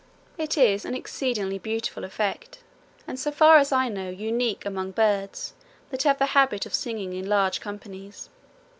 It is an exceedingly beautiful effect, and so far as I know unique among birds that have the habit of singing in large companies.